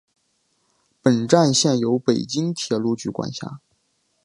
本站现由北京铁路局管辖。